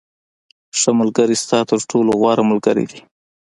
• ښه ملګری ستا تر ټولو غوره ملګری دی.